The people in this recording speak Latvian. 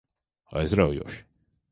Aizraujoši.